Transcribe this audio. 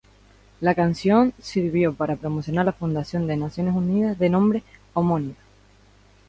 La canción sirvió para promocionar la Fundación de Naciones Unidas de nombre homónimo.